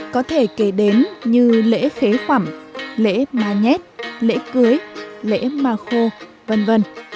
có thể kể đến như lễ khế quẩm lễ ma nhét lễ cưới lễ ma khô v v